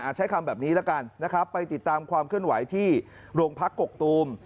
ใช้คำแบบนี้แล้วกันนะครับไปติดตามความเคลื่อนไหวที่โรงพักกกตูม